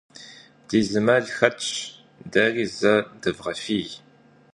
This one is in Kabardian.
Ди зы мэл хэтщ, дэри зэ дывгъэфий.